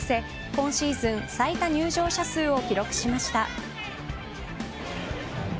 今シーズン、最多入場者数を記録しました。